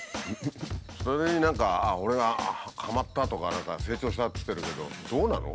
それに何か俺がハマったとか何か成長したっつってるけどどうなの？